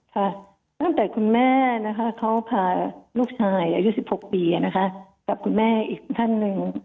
ค่ะตั้งแต่คุณแม่นะคะเขาพาลูกชายอายุ๑๖ปีกับคุณแม่อีกท่านหนึ่ง